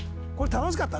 楽しかった。